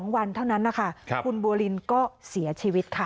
วันเท่านั้นนะคะคุณบัวลินก็เสียชีวิตค่ะ